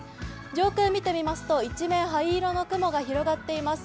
上空見てみますと一面灰色の雲が広がっています。